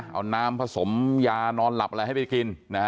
เอาน้ำผสมยานอนหลับอะไรให้ไปกิน